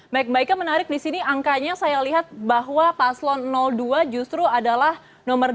baik mbak ika menarik di sini angkanya saya lihat bahwa paslon dua justru adalah nomor dua